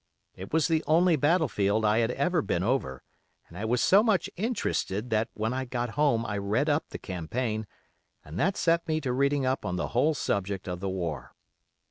It was the only battle field I had ever been over, and I was so much interested that when I got home I read up the campaign, and that set me to reading up on the whole subject of the war.